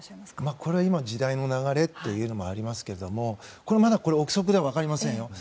これは今時代の流れというのもありますがまだ憶測で、分かりませんよ